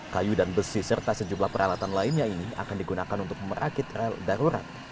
kayu dan besi serta sejumlah peralatan lainnya ini akan digunakan untuk merakit rel darurat